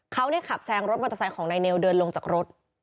เขาได้ขับแซงรถมอเตอร์ไซค์ของนายเนวเดินลงจากรถ